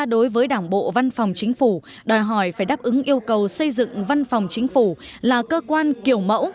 đối với đảng bộ văn phòng chính phủ đòi hỏi phải đáp ứng yêu cầu xây dựng văn phòng chính phủ là cơ quan kiểu mẫu